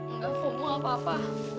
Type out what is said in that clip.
enggak semua apa apa